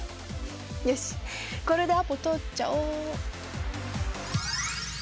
よしこれでアポ取っちゃおう。